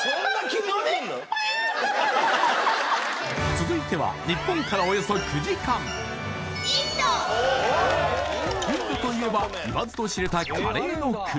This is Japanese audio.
続いては日本からおよそ９時間インドといえば言わずと知れたカレーの国